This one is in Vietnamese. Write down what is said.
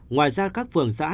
ngoài ra các phường xã